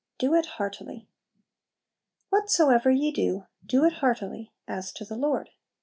Do it Heartily "Whatsoever ye do, do it heartily, as to the Lord."